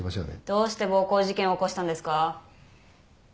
どうして暴行事件を起こしたんですか？